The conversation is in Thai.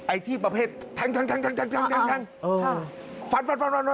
ไอ้ที่ประเภททัง